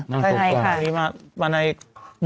เฮ้ยอันนี้คือวันนี้ตรงใน